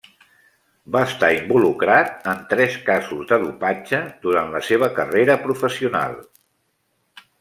Va estar involucrat en tres casos de dopatge durant la seva carrera professional.